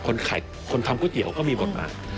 คนทำก๋วยเตี๋ยวก็มีบทบาท